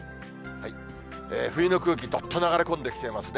冬の空気、どっと流れ込んできてますね。